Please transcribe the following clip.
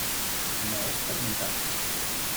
No es fermentada.